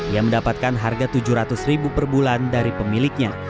ia mendapatkan harga rp tujuh ratus ribu per bulan dari pemiliknya